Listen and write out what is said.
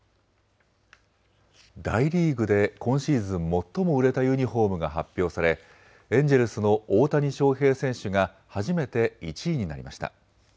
大リーグで今シーズン、最も売れたユニフォームが発表されエンジェルスの大谷翔平選手が初めて１位になりました。